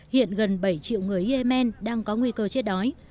hiện gần bảy triệu người yemen đang có nguy cơ chết đói